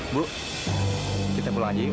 bu kita pulang aja yuk